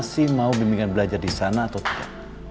kalau dia mau belajar di sana dia harus belajar di sana